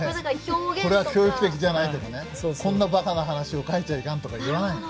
これは教育的じゃないとかねこんなバカな話を描いちゃいかんとか言わないの。